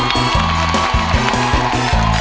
ร้อยครับ